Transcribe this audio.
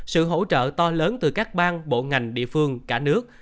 sự hỗ trợ to lớn từ các bang bộ ngành địa phương cả nước